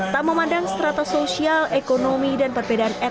tak memandang serata sosial ekonomi dan perbedaan etnis